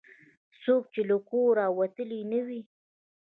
څوک چې له کوره وتلي نه وي.